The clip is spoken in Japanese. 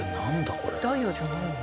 これダイヤじゃないの？